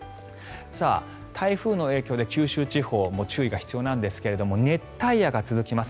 台風の影響で九州地方も注意が必要ですが熱帯夜が続きます。